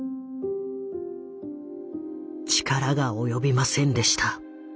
「力が及びませんでした」。